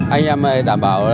anh em đảm bảo